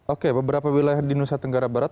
oke beberapa wilayah di nusa tenggara barat